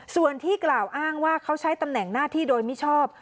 ส่วนที่กล่าวอ้างว่าเขาใช้ตำแหน่งหน้าที่โดยมิชอบ